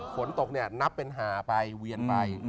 ฝนตกเนี่ยนับเป็นหาไปเวียนไป